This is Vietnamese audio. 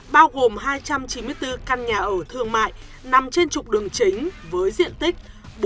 bao gồm hai trăm chín mươi bốn căn nhà ở thương mại nằm trên trục đường chính với diện tích